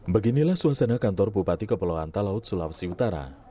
beginilah suasana kantor bupati kepulauan talaut sulawesi utara